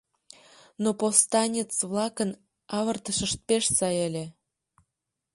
Но повстанец-влакын авыртышышт пеш сай ыле.